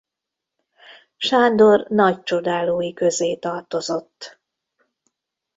Sándor nagy csodálói közé tartozott.